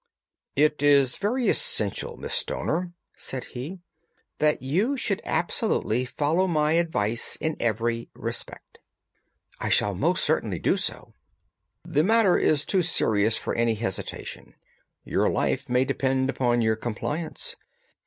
"It is very essential, Miss Stoner," said he, "that you should absolutely follow my advice in every respect." "I shall most certainly do so." "The matter is too serious for any hesitation. Your life may depend upon your compliance."